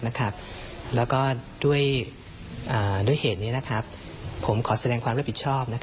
แล้วก็ด้วยเหตุนี้ผมขอแสดงความรับผิดชอบ